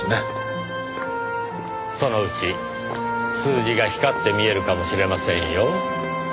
そのうち数字が光って見えるかもしれませんよ。